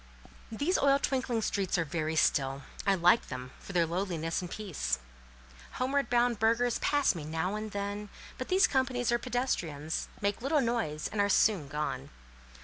These oil twinkling streets are very still: I like them for their lowliness and peace. Homeward bound burghers pass me now and then, but these companies are pedestrians, make little noise, and are soon gone.